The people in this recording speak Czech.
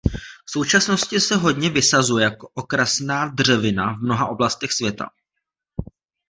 V současnosti se hodně vysazuje jako okrasná dřevina v mnoha oblastech světa.